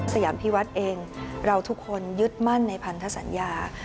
สยามพิวัฒน์เองเราทุกคนยึดมั่นในพันธสัญญา